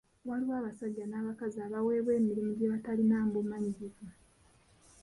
Waliwo abasajja n’abakazi abaweebwa emirimu gye batalinaamu bumanyirivu.